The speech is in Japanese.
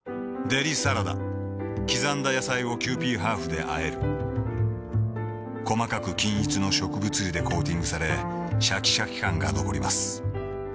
デリサラダ刻んだ野菜をキユーピーハーフであえる細かく均一の植物油でコーティングされシャキシャキ感が残ります